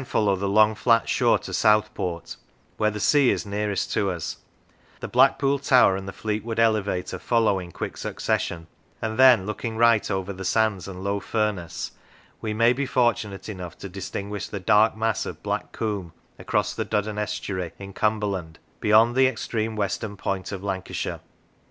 Physical Structure follow the long flat shore to Southport, where the sea is nearest to us; the Blackpool tower and the Fleetwood elevator follow in quick succession; and then, looking right over the sands and Low Furness, we may be fortunate enough to distinguish the dark mass of Black Combe, across the Duddon estuary, in Cumberland, beyond the extreme western point of Lancashire.